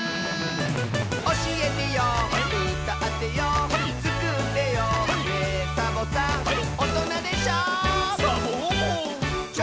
「おしえてようたってよつくってよねぇ、サボさん」「おとなでしょ」